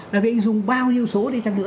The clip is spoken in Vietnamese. là vì anh dùng bao nhiêu số đi chăng nữa